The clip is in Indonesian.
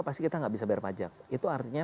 pasti kita nggak bisa bayar pajak itu artinya